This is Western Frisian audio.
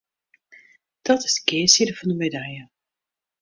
Dat is de kearside fan de medalje.